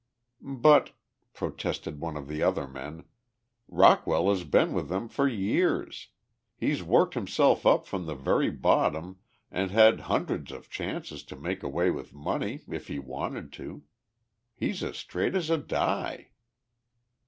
"But," protested one of the other men, "Rockwell has been with them for years. He's worked himself up from the very bottom and had hundreds of chances to make away with money if he wanted to. He's as straight as a die."